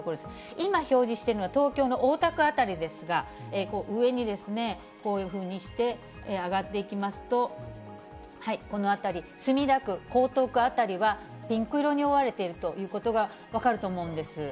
今、表示しているのは東京の大田区辺りですが、上にですね、こういうふうにして上がっていきますと、この辺り、墨田区、江東区辺りは、ピンク色に覆われているということが分かると思うんです。